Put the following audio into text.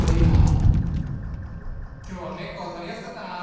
今日は結構獲りやすかったな。